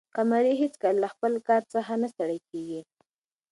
قمري هیڅکله له خپل کار څخه نه ستړې کېږي.